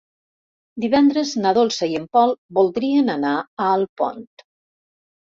Divendres na Dolça i en Pol voldrien anar a Alpont.